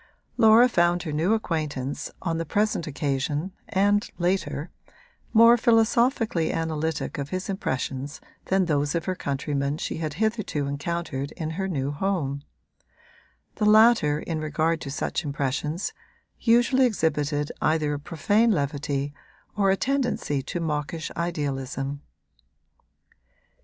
Laura found her new acquaintance, on the present occasion and later, more philosophically analytic of his impressions than those of her countrymen she had hitherto encountered in her new home: the latter, in regard to such impressions, usually exhibited either a profane levity or a tendency to mawkish idealism.